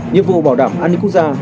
nhiệm vụ bảo đảm an ninh quốc gia